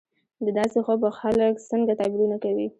د داسې خوب به خلک څنګه تعبیرونه کوي